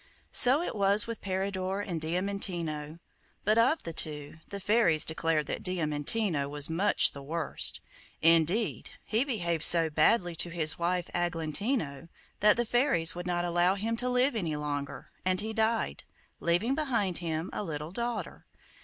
So it was with Peridor and Diamantino; but of the two, the fairies declared that Diamantino was much the worst; indeed, he behaved so badly to his wife Aglantino, that the fairies would not allow him to live any longer; and he died, leaving behind him a little daughter.